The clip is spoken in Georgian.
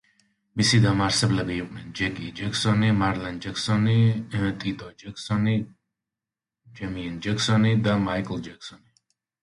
მისი დამაარსებლები იყვნენ ჯეკი ჯექსონი, მარლონ ჯექსონი, ტიტო ჯექსონი, ჯერმეინ ჯექსონი და მაიკლ ჯექსონი.